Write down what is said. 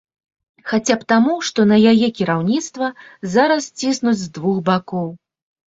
Хаця б таму, што на яе кіраўніцтва зараз ціснуць з двух бакоў.